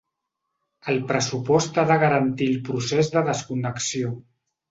El pressupost ha de garantir el procés de desconnexió.